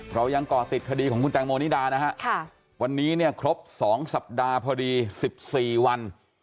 เรายังก่อติดคดีของคุณแตงโมนิดานะฮะวันนี้เนี่ยครบ๒สัปดาห์พอดี๑๔วัน